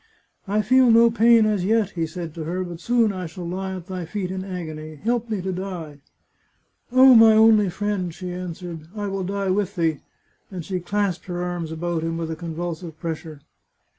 " I feel no pain as yet," he said to her, " but soon I shall lie at thy feet in agony. Help me to die !"" Oh, my only friend," she answered, " I will die with thee !" and she clasped her arms about him with a convulsive pressure.